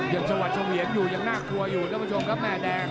ยังสวัสดิ์สะเวียนอยู่ยังน่ากลัวอยู่นะคุณผู้ชมครับแม่แดง